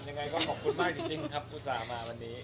ยังไงก็ขอบคุณมากจริงครับอุตส่าห์มาวันนี้